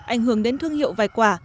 ảnh hưởng đến thương hiệu vải quả